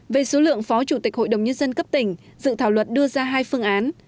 về số lượng phó chủ tịch hội đồng nhân dân cấp tỉnh dự thảo luật đưa ra hai phương án